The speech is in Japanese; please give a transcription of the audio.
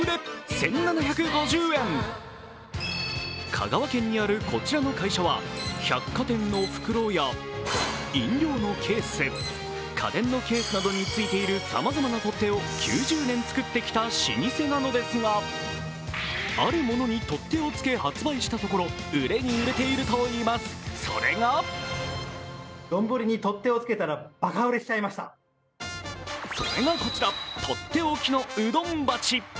香川県にあるこちらの会社は百貨店の袋や飲料のケース、家電のケースなどについているさまざまな取っ手を９０年作ってきた老舗なのですがあるものに取っ手を付け発売したところ売れに売れているといいます、それがそれがこちら、とっておきのうどん鉢。